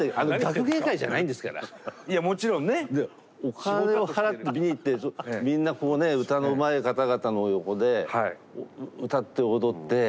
お金を払って見に行ってみんなこうね歌のうまい方々の横で歌って踊って。